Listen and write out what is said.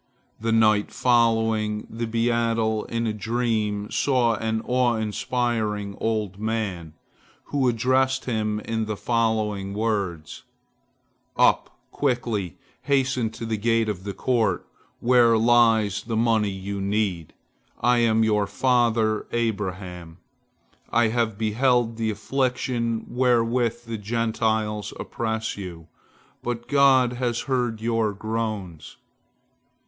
The night following, the beadle in a dream saw an awe inspiring old man, who addressed him in the following words: "Up, quickly! Hasten to the gate of the court, where lies the money you need. I am your father Abraham. I have beheld the affliction wherewith the Gentiles oppress you, but God has heard your groans."